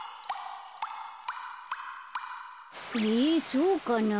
そうかな。